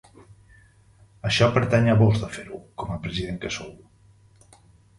Això pertany a vós de fer-ho, com a president que sou.